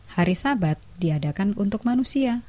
hari sabat diadakan untuk manusia